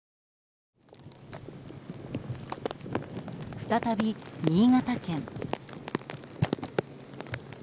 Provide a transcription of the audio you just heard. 再び、新潟県。